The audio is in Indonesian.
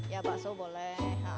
ya bakso boleh